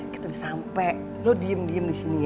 kita sampai lo diem diem disini ya